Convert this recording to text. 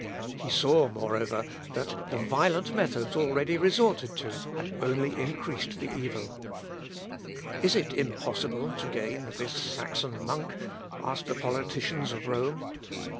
He saw, moreover, that the violent methods already resorted to had only increased the evil. "Is it impossible to gain this Saxon monk?" asked the politicians of Rome.